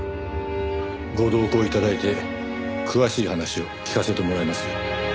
ご同行頂いて詳しい話を聞かせてもらいますよ。